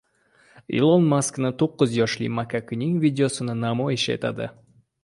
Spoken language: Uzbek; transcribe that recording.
Ilon Masking to'qqiz yoshli makakning videosini namoyish etadi.